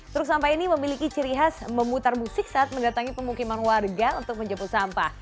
truk sampah ini memiliki ciri khas memutar musik saat mendatangi pemukiman warga untuk menjemput sampah